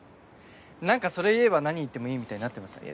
何かそれ言えば何言ってもいいみたいになってません？